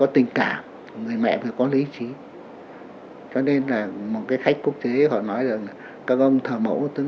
tình cảm thì mẹ phải có lý trí cho nên là một cái khách quốc chế họ nói được cái gông thờ mẫu luôn